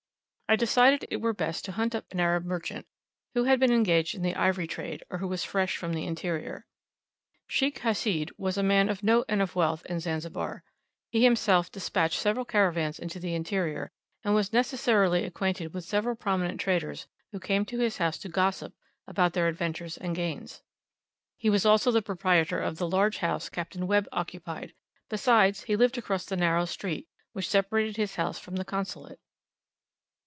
I decided it were best to hunt up an Arab merchant who had been engaged in the ivory trade, or who was fresh from the interior. Sheikh Hashid was a man of note and of wealth in Zanzibar. He had himself despatched several caravans into the interior, and was necessarily acquainted with several prominent traders who came to his house to gossip about their adventures and gains. He was also the proprietor of the large house Capt. Webb occupied; besides, he lived across the narrow street which separated his house from the Consulate.